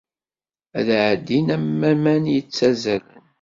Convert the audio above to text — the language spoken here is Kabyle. Ad ɛeddin am waman yettazzalen.